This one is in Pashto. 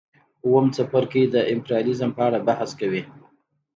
اووم څپرکی د امپریالیزم په اړه بحث کوي